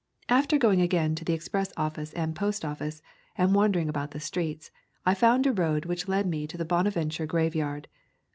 After going again to the O express office and post office, and wan dering about the streets, I found a road which led me to the Bonaventure graveyard.